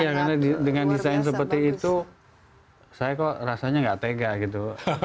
iya karena dengan desain seperti itu saya kok rasanya nggak tega gitu